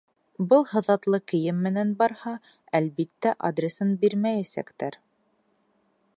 Был һыҙатлы кейем менән барһа, әлбиттә, адресын бирмәйәсәктәр.